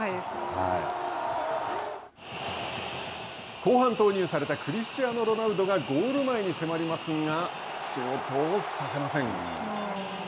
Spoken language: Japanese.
後半、投入されたクリスチアーノ・ロナウドがゴール前に迫りますが仕事をさせません。